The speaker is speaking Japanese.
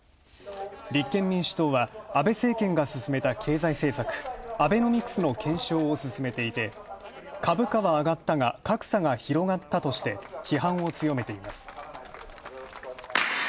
立憲民主党は安倍政権がすすめた経済政策、アベノミクスの健勝を進めていて株価は上がったが格差が広がったとして、批判を強めています。